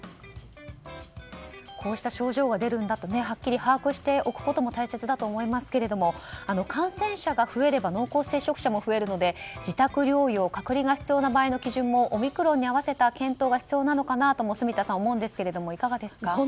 こうした症状が出るんだとはっきり把握しておくことも大切だと思いますが感染者が増えれば濃厚接触者も増えるので自宅療養、隔離が必要な場合の基準もオミクロンに合わせた検討が必要なのかなと住田さん、思うんですがいかがですか。